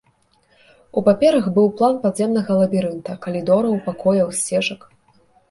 У паперах быў план падземнага лабірынта калідораў, пакояў, сцежак.